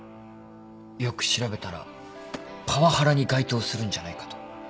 よく調べたらパワハラに該当するんじゃないかと。